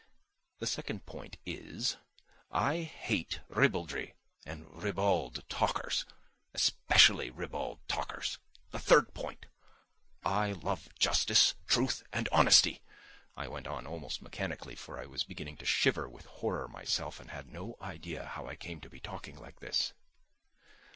"The second point is: I hate ribaldry and ribald talkers. Especially ribald talkers! The third point: I love justice, truth and honesty." I went on almost mechanically, for I was beginning to shiver with horror myself and had no idea how I came to be talking like this.